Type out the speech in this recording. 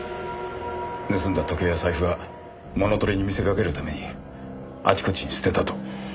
盗んだ時計や財布は物盗りに見せかけるためにあちこちに捨てたと。